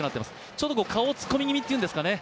ちょっと顔を突っ込み気味というんですかね